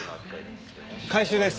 回収です。